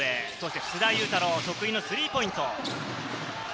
須田侑太郎の得意のスリーポイント。